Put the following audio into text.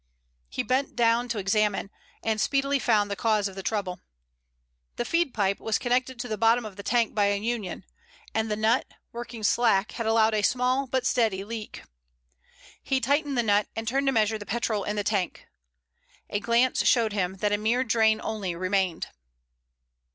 He bent down to examine, and speedily found the cause of the trouble. The feed pipe was connected to the bottom of the tank by a union, and the nut, working slack, had allowed a small but steady leak. He tightened the nut and turned to measure the petrol in the tank. A glance showed him that a mere drain only remained.